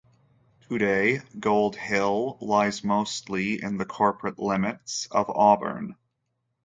Today, Gold Hill lies mostly in the corporate limits of Auburn.